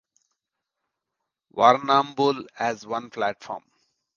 Warrnambool has one platform.